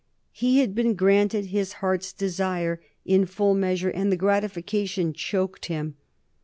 He had been granted his heart's desire in full measure, and the gratification choked him.